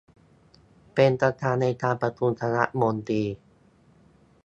เป็นประธานในการประชุมคณะมนตรี